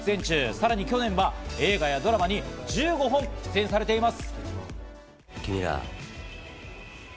さらに去年は映画やドラマに１５本、出演されています。